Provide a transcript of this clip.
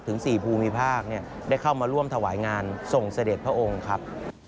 ถึง๔ภูมิภาคได้เข้ามาร่วมถวายงานส่งเสด็จพระองค์ครับ